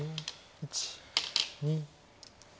１２。